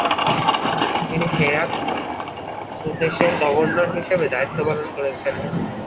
তিনি হেরাত প্রদেশের গভর্নর হিসেবে দায়িত্ব পালন করেছেন।